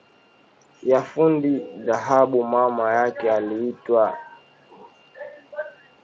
ya fundi dhahabu Mama yake aliitwa Nyanibah akaishi hadi kifo chake na kwa muda